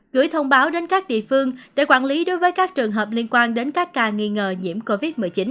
gửi thông báo đến các địa phương để quản lý đối với các trường hợp liên quan đến các ca nghi ngờ nhiễm covid một mươi chín